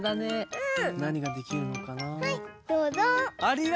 うん。